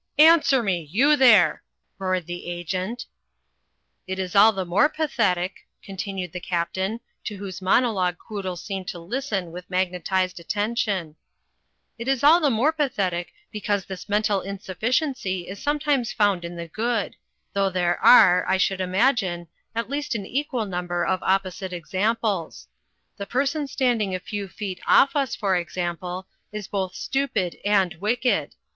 ''Answer me, you there !" roared the Agent. "It is all the more pathetic," continued the Captain, to whose monologue Quoodle seemed to listen with magnetized attention. "It is all the more pathetic because this mental insufficiency is sometimes found in the good; though there are, I should imagine, at least an equal number of opposite examples. The per son standing a few feet off us, for example, is both stupid and wicked.